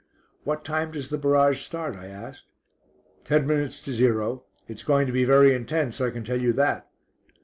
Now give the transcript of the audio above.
"What time does the barrage start?" I asked. "Ten minutes to zero. It's going to be very intense, I can tell you that."